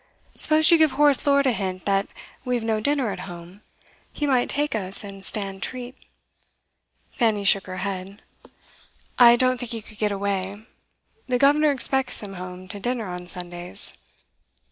'Suppose you give Horace Lord a hint that we've no dinner at home? He might take us, and stand treat.' Fanny shook her head. 'I don't think he could get away. The guv'nor expects him home to dinner on Sundays.